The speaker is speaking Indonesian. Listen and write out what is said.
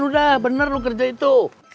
udah bener loh kerja itu